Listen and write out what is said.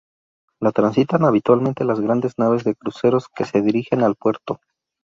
La transitan habitualmente las grandes naves de cruceros que se dirigen al puerto.